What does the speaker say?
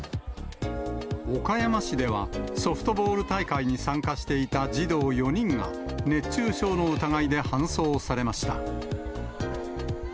岡山市では、ソフトボール大会に参加していた児童４人が、熱中症の疑いで搬送されました。